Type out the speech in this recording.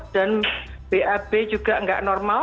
dan bab juga tidak normal